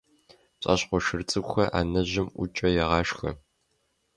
ПцӀащхъуэ шыр цӀыкӀухэр анэжьым ӀукӀэ егъашхэ.